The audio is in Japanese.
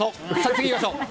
次、行きましょう。